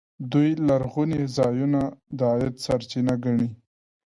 دوی لرغوني ځایونه د عاید سرچینه ګڼي.